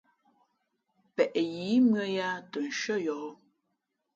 Peʼ yǐ mʉ̄ᾱ yāā tα nshʉ́ά yǒh.